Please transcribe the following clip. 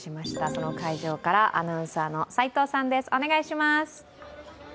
その会場からアナウンサーの齋藤さんです。